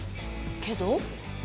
けど？